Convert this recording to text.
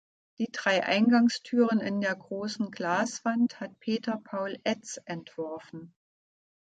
Die drei Eingangstüren in der großen Glaswand hat Peter Paul Etz entworfen.